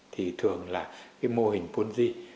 thì thường là mô hình vốn gì